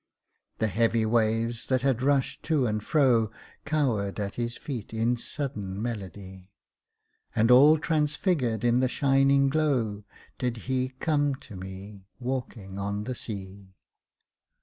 The heavy waves that had rushed to and fro Cowered at His feet in sudden melody; And all transfigured in the shining glow Did He come to me walking on the sea.